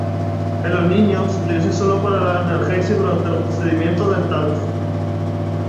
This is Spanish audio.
En los niños, se utiliza sólo para la analgesia durante los procedimientos dentales.